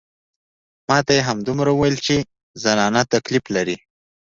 ما ته يې همدومره وويل چې زنانه تکليف لري.